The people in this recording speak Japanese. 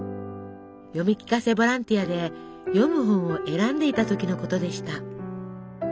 読み聞かせボランティアで読む本を選んでいた時のことでした。